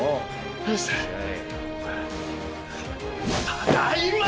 ただいま！